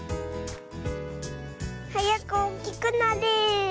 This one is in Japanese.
はやくおおきくなれ！